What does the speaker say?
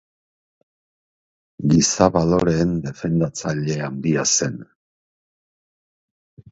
Giza baloreen defendatzaile handia zen.